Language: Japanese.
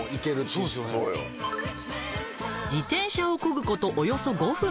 自転車をこぐことおよそ５分。